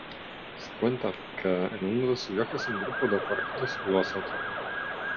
Se cuenta que en uno de sus viajes un grupo de forajidos lo asaltó.